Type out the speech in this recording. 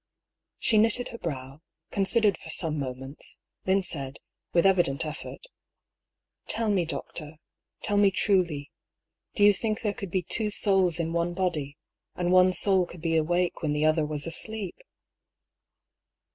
She knitted her brow, considered for some moments, then said, with evident effort :" Tell me, doctor, tell me truly. Do you think there could be two souls in one body, and one soul could be awake when the other was asleep